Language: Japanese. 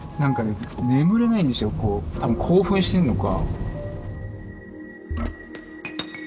こう多分興奮してんのか。